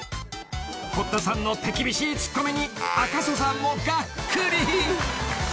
［堀田さんの手厳しいツッコミに赤楚さんもがっくり］